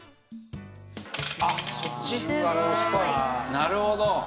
「なるほど」